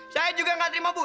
saya juga nggak terima bu